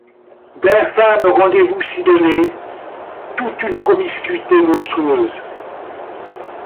D'infâmes rendez-vous s'y donnaient, toute une promiscuité monstrueuse.